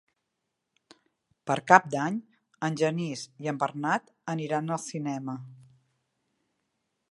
Per Cap d'Any en Genís i en Bernat aniran al cinema.